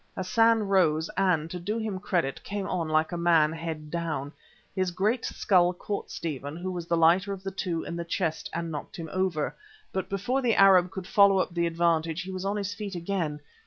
Hassan rose and, to do him credit, came on like a man, head down. His great skull caught Stephen, who was the lighter of the two, in the chest and knocked him over, but before the Arab could follow up the advantage, he was on his feet again.